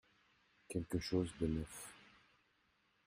Quelque chose de neuf.